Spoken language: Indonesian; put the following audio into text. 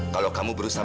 kalau kamu berusaha